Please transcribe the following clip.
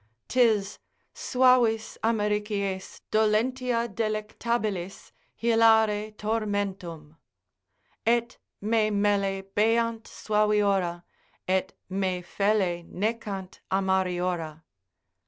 'Tis suavis amaricies, dolentia delectabilis, hilare tormentum; Et me melle beant suaviora, Et me felle necant amariora.